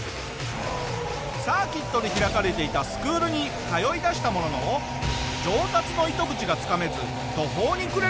サーキットで開かれていたスクールに通いだしたものの上達の糸口がつかめず途方に暮れる事に。